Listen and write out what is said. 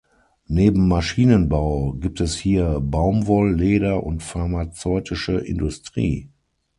Neben Maschinenbau gibt es hier Baumwoll-, Leder- und pharmazeutische Industrie.